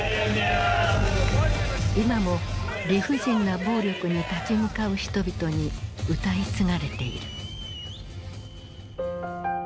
今も理不尽な暴力に立ち向かう人々に歌い継がれている。